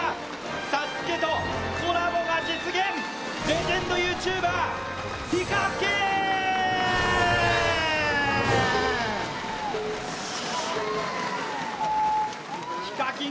ＳＡＳＵＫＥとコラボが実現、レジェンドＹｏｕＴｕｂｅｒ・ＨＩＫＡＫＩＮ！